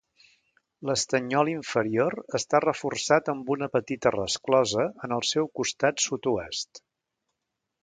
L'estanyol inferior està reforçat amb una petita resclosa en el seu costat sud-oest.